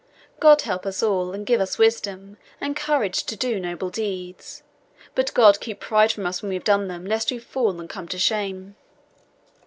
God help us all, and give us wisdom, and courage to do noble deeds! but God keep pride from us when we have done them, lest we fall, and come to shame!